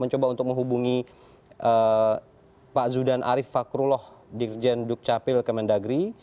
mencoba untuk menghubungi pak zudan arief fakrullah dirjen dukcapil kemendagri